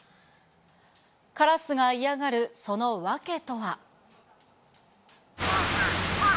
カラスが嫌がるその訳とは。